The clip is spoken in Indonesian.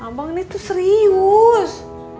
abang ini tuh serius